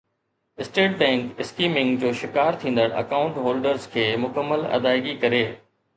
state Bank skimming جو شڪار ٿيندڙ اڪائونٽ هولڊرز کي مڪمل ادائيگي ڪري